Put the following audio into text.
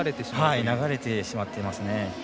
流れてしまっていますね。